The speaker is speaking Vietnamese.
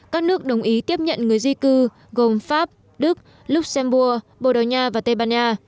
các nước đồng ý tiếp nhận người di cư gồm pháp đức luxembourg bồ đào nha và tây ban nha